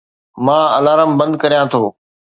مان الارم بند ڪريان ٿو